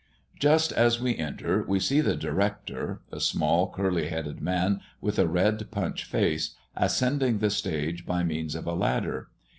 Just as we enter we see the director, a small curly headed man, with a red punch face, ascending the stage by means of a ladder.